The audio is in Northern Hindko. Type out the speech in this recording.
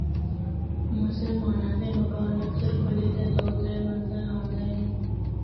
مسلماناں دے مکان اکثر کھلے تے دو ترے منزل ہوندے ہن۔